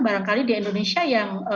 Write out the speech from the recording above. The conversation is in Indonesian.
barangkali di indonesia yang